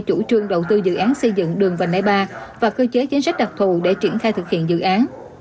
chủ trương đầu tư dự án xây dựng đường vành đai ba và cơ chế chính sách đặc thù để triển khai thực hiện dự án